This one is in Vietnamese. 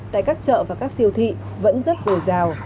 tại các chợ và các siêu thị vẫn rất dồi dào